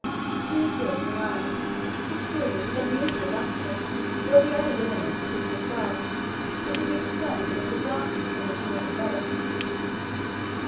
Two piercing eyes, which gleamed with unusual lustre, were the only lineaments of his visage that could be discerned amid the darkness in which he was enveloped.